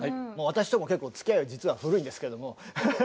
もう私とも結構つきあいは実は古いんですけども。